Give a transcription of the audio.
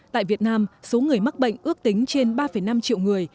tại việt nam số người mắc bệnh ước tính trên ba năm triệu người